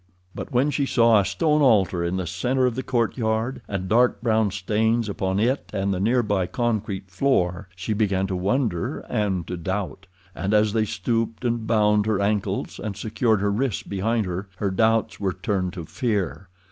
But when she saw a stone altar in the center of the courtyard, and dark brown stains upon it and the nearby concrete of the floor, she began to wonder and to doubt. And as they stooped and bound her ankles, and secured her wrists behind her, her doubts were turned to fear.